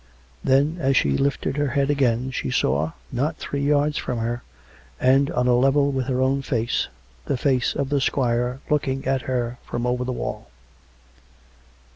Then as she lifted her head again, she saw, not three yards from her, and on a level with her own face, the face of the squire looking at her from over the wall.